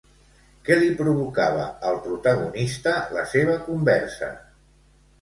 Què li provocava al protagonista la seva conversa?